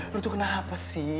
lu tuh kenapa sih